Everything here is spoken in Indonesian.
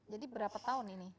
jadi berapa tahun ini